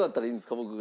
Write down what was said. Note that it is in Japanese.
僕が。